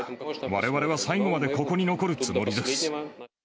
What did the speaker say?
われわれは最後までここに残るつもりです。